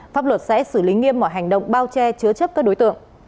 pháp luật sẽ xử lý nghiêm mọi hành động bao che chứa chấp các đối tượng